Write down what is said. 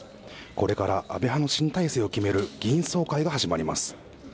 これから安倍派の新体制を決める議員総会が始まります。